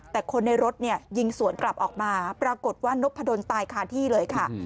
แต่คนในรถเนี่ยยิงสวนกลับออกมาปรากฏว่านกพะดนตายคาที่เลยค่ะ